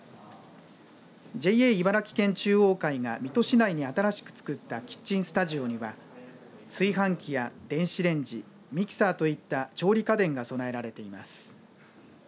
ＪＡ茨城県中央会が水戸市内に新しく作ったキッチンスタジオには炊飯器や電子レンジミキサーといった調理家電が備えられています。